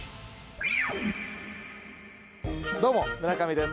どうも村上です。